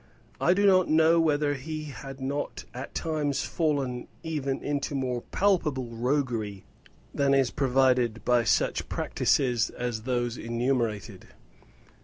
I do not know whether he had not at times fallen even into more palpable roguery than is proved by such practices as those enumerated.